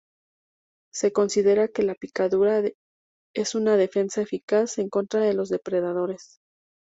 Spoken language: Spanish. Se considera que la picadura es una defensa eficaz en contra de los depredadores.